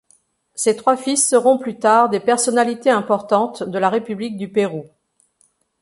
Ses trois fils seront plus tard des personnalités importantes de la république du Pérou.